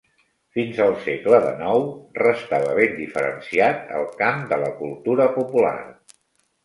Fins al segle dènou restava ben diferenciat el camp de la cultura popular.